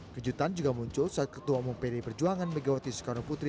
kejutan juga muncul saat ketua umum pdi perjuangan megawati soekarno putri